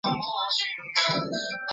特伦托圣母圣殿。